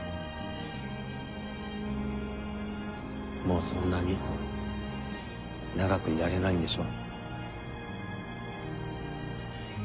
もうそんなに長くいられないんでしょ？